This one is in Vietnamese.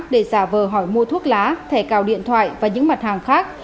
để giả vờ hỏi mua thuốc lá thẻ cào điện thoại và những mặt hàng khác